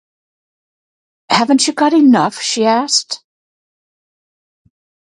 “Haven’t you got enough?” she asked.